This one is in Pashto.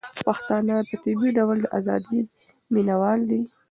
پښتانه په طبيعي ډول د ازادۍ مينه وال دي.